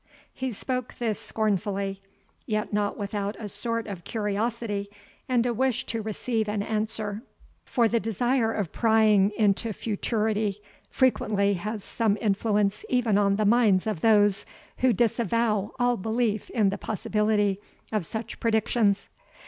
He spoke this scornfully, yet not without a sort of curiosity, and a wish to receive an answer; for the desire of prying into futurity frequently has some influence even on the minds of those who disavow all belief in the possibility of such predictions.